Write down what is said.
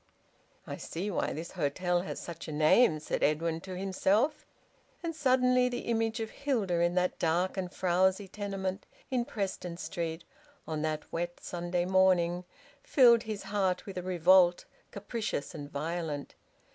"I see why this hotel has such a name," said Edwin to himself. And suddenly the image of Hilda in that dark and frowzy tenement in Preston Street, on that wet Sunday morning, filled his heart with a revolt capricious and violent.